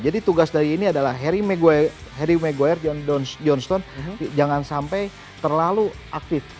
jadi tugas dari ini adalah harry maguire johnstone jangan sampai terlalu aktif